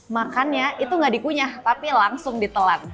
makannya itu gak dikunyah tapi langsung ditelan